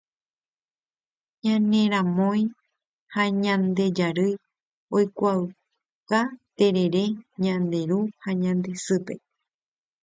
Ñane ramói ha ñande jarýi oikuaauka terere ñande ru ha ñande sýpe